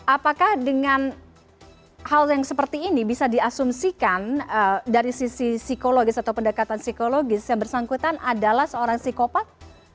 apakah dengan hal yang seperti ini bisa diasumsikan dari sisi psikologis atau pendekatan psikologis yang bersangkutan adalah seorang psikopat